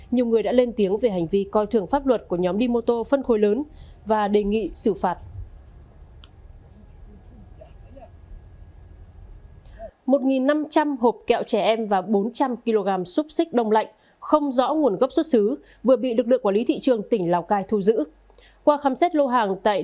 nhiều người đã lên tiếng về hành vi coi thường pháp luật của nhóm đi mô tô phân khối lớn và đề nghị xử phạt